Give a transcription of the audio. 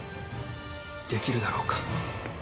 できるだろうか。